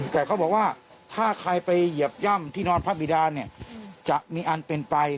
แต่เขาบอกว่าถ้าใครไปเหยียบย่ำที่นอนพระบิดาเนี่ยจะมีอันเป็นไป